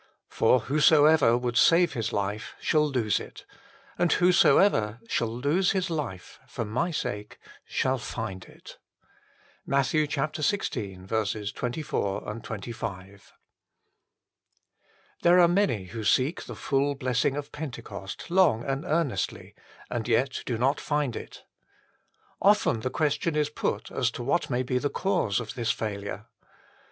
For whosoever would save his life shall lose it . and whosoever shall lose his life for My sake shall find it." MATT. xvi. 24, 25. FT! HERE are many who seek the full blessing of Pentecost long and earnestly and yet do not find it. Often the question is put as to what may be the cause of this failure.